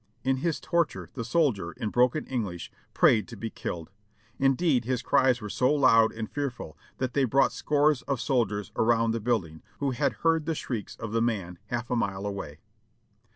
In his torture the soldier, in broken English, prayed to be killed ; indeed his cries were so loud and fearful that they brought scores of soldiers around the building, who had heard the shrieks of the man half a mile away.